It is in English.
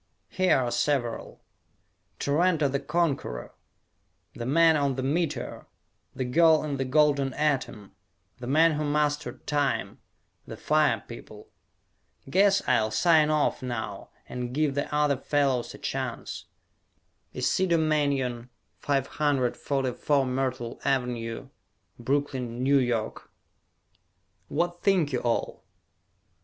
Here are several: "Tarranto the Conqueror," "The Man on the Meteor," "The Girl in the Golden Atom," "The Man Who Mastered Time," "The Fire People." Guess I'll sign off now and give the other fellows a chance. Isidore Manyon, 544 Myrtle Ave., Brooklyn, N. Y. _What Think You All?